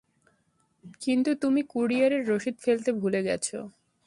কিন্তু তুমি কুরিয়ারের রসিদ ফেলতে ভুলে গেছ।